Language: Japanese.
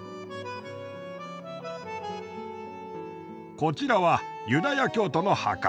ここはこちらはユダヤ教徒の墓。